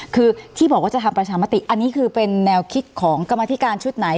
คือที่บอกว่าจะทำประชามติอันนี้คือเป็นแนวคิดของกรรมธิการชุดไหน